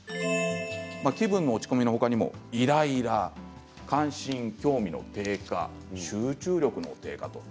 気分の落ち込みのほかにもイライラ関心、興味の低下、集中力の低下